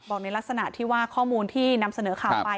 ในลักษณะที่ว่าข้อมูลที่นำเสนอข่าวไป